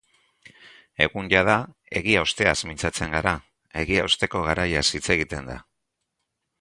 Egun jada egia-osteaz mintzatzen gara, egia-osteko garaiaz hitz egiten da.